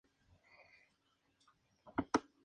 Zeus mandó a Hermes que matase a Argos para liberarla.